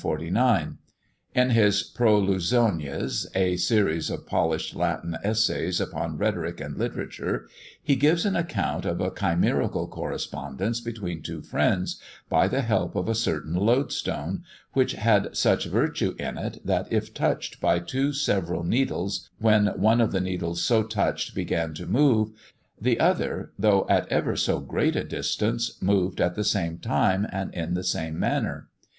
In his "Prolusiones," a series of polished Latin essays upon rhetoric and literature, he gives an account of a chimerical correspondence between two friends, by the help of a certain loadstone, which had such virtue in it, that if touched by two several needles, when one of the needles so touched began to move, the other, though at ever so great a distance, moved at the same time and in the same manner.